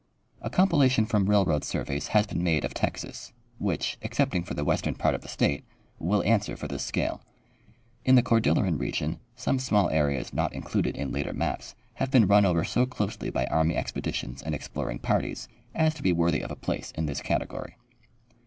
A compilation from railroad surveys has been made of Texas, which, excepting for the western i3art of the state, will answer for this scale. In the Cordilleran region some small areas not included in later maps have been run over so closely b}^ army expeditions and exploring parties as to be worthy of a place in this category.